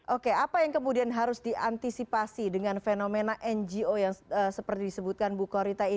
oke apa yang kemudian harus diantisipasi dengan fenomena ngo yang seperti disebutkan bu korita